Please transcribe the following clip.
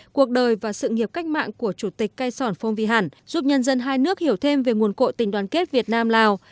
cuộc đời và sự nghiệp cách mạng của chủ tịch cây sòn phong vy hẳn giúp nhân dân hai nước hiểu thêm về nguồn cội tình đoàn kết việt nam lào